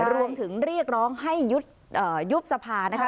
รวมถึงเรียกร้องให้ยุบสภานะคะ